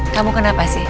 kamu kenapa sih